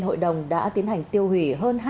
hội đồng đã tiến hành tiêu hủy hơn